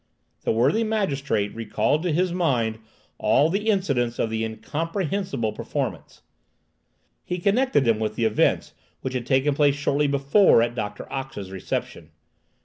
The worthy magistrate recalled to his mind all the incidents of the incomprehensible performance. He connected them with the events which had taken place shortly before at Doctor Ox's reception.